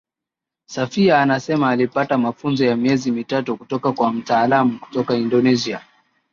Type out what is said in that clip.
Safia anasema alipata mafunzo ya miezi mitatu kutoka kwa mtaalamu kutoka Indonesia